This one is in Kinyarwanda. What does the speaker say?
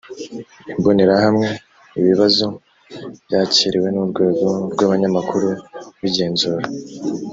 imbonerahamwe ibibazo byakiriwe n urwego rw abanyamakuru bigenzura